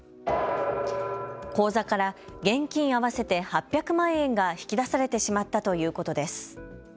口座から現金合わせて８００万円が引き出されてしまったということです。